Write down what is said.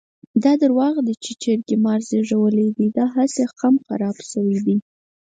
دا درواغ دي چې چرګې مار زېږولی دی؛ داهسې خم خراپ شوی دی.